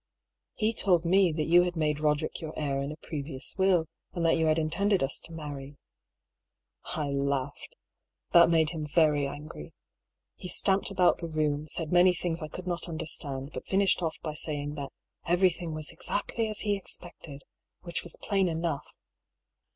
He told me that you had made Roderick your heir in a previous will, and that you had intended us to marry. I laughed. That made him very angry. He stamped about the room, said many things I could not under stand; but finished off by saying that " everything was exactly as he expected," which was plain enough.